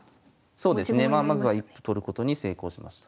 そうですねまあまずは一歩取ることに成功しました。